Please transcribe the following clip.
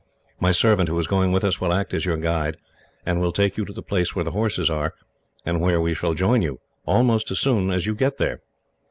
My servant, who is going with us, will act as your guide, and will take you to the place where the horses are, and where we shall join you, almost as soon as you get there."